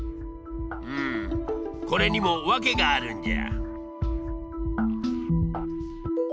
うんこれにも訳があるんじゃ。